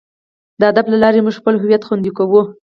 د ادب له لارې موږ خپل هویت خوندي کوو.